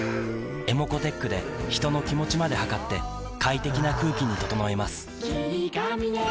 ｅｍｏｃｏーｔｅｃｈで人の気持ちまで測って快適な空気に整えます